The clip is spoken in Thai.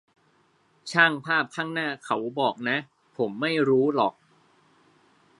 ช่างภาพข้างหน้าเขาบอกนะ ผมไม่รู้หรอก